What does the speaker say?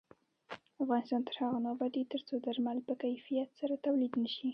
افغانستان تر هغو نه ابادیږي، ترڅو درمل په کیفیت سره تولید نشي.